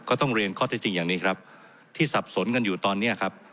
ก็ต้องเรียนข้อที่จริงอย่างนี้ครับที่สับสนกันอยู่ตอนนี้ครับ